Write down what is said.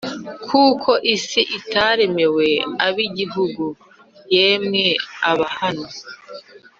Kuko isi itaremewe ab`igitugu. Yemwe Abahano